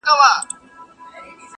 • په پای کي هر څه بې ځوابه پاتې کيږي..